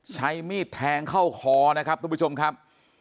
ใช้มีดแทงเข้าคอนะครับทุกผู้ชมครับ